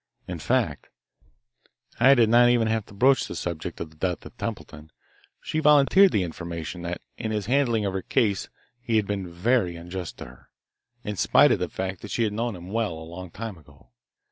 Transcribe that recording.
In fact, I did not even have to broach the subject of the death of Templeton. She volunteered the information that in his handling of her case he had been very unjust to her, in spite of the fact that she had known him well a long time ago.